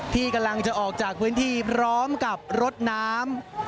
ที่กำลังจะออกจากพื้นที่พร้อมกับรถน้ำ